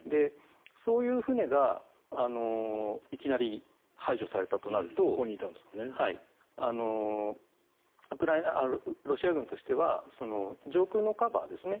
そういう船がいきなり排除されたとなるとロシア軍としては上空のカバーですね。